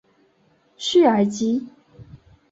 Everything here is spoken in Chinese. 叙尔吉。